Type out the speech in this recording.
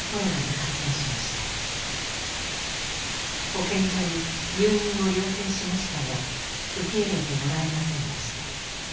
保健所に入院を要請しましたが受け入れてもらえませんでした。